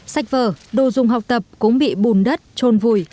sách vở đồ dùng học tập cũng bị bùn đất trôn vùi